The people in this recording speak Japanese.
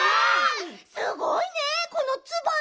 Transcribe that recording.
すごいねこのツバンさん。